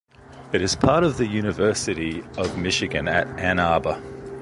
It is part of the University of Michigan at Ann Arbor.